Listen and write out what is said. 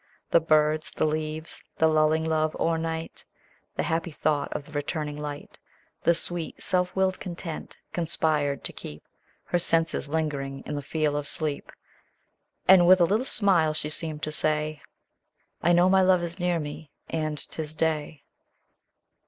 The birds, the leaves, the lulling love o'ernight, The happy thought of the returning light. The sweet, self willed content, conspired to keep Her senses lingering in the feel of sleep ; And with a little smile she seemed to say, " I know my love is near me, and 'tis day."